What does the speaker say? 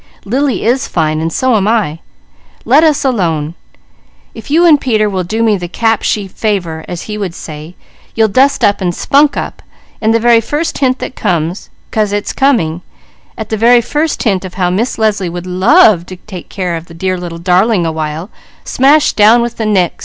Lily is fine, and so am I. Let us alone! If you and Peter will do me the 'cap sheaf favour, as he would say, you'll dust up and spunk up, and the very first hint that comes 'cause it's coming at the very first hint of how Miss Leslie would love to take care of the dear little darling awhile, smash down with the nix!